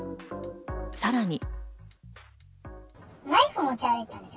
さらに。